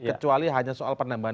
kecuali hanya soal penambahan